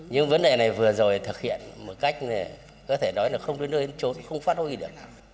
nhưng vấn đề này vừa rồi thực hiện một cách có thể nói là không đến nơi chối không phát hối được